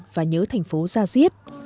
và nhớ thành phố ra giết